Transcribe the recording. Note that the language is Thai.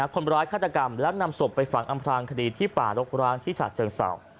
คนร้ายฆาตกรรรมและนำศพไปฝังอำพลางคดีที่ป่าโรคร้างที่ชาติเชิงเสา